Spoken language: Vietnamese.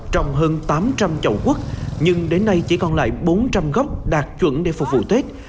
trồng hơn tám trăm linh chậu quất nhưng đến nay chỉ còn lại bốn trăm linh gốc đạt chuẩn để phục vụ tết